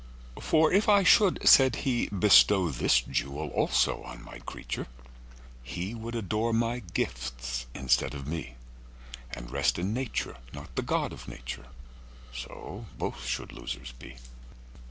For if I should (said He)Bestow this jewel also on My creature, He would adore My gifts instead of Me, And rest in Nature, not the God of Nature:So both should losers be.